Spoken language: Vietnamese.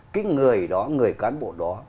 cái người đó người cán bộ đó